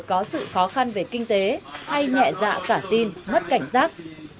có sự khó khăn về kinh tế hay nhẹ dạ cả tin mất cảnh giác